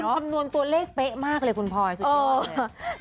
คำนวณตัวเลขเป๊ะมากเลยคุณพลอยสุด